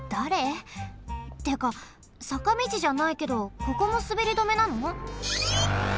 ってかさかみちじゃないけどここもすべり止めなの？